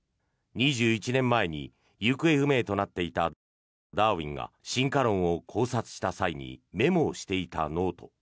２１年前に行方不明となっていたダーウィンが進化論を考察した際にメモをしていたノート。